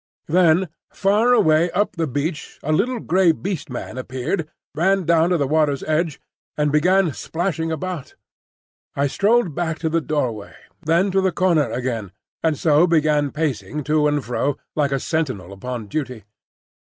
Then far away up the beach a little grey Beast Man appeared, ran down to the water's edge and began splashing about. I strolled back to the doorway, then to the corner again, and so began pacing to and fro like a sentinel upon duty.